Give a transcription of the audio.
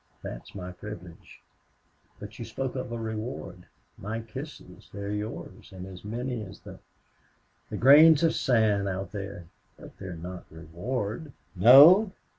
That's my privilege. But you spoke of a reward. My kisses they are yours and as many as the the grains of sand out there. But they are not reward." "No?...